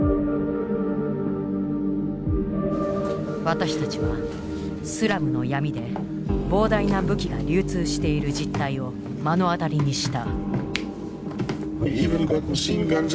私たちはスラムの闇で膨大な武器が流通している実態を目の当たりにした。